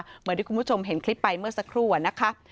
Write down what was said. เหมือนที่คุณผู้ชมเห็นคลิปไปเมื่อสักครู่อะนะคะ